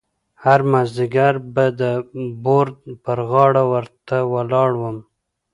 هر مازیګر به د بورد پر غاړه ورته ولاړ وم.